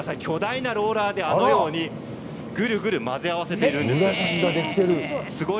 巨大なローラーで、あのようにぐるぐる混ぜ合わせているんです。